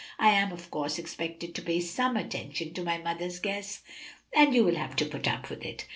"I am, of course, expected to pay some attention to my mother's guests, and you will have to put up with it."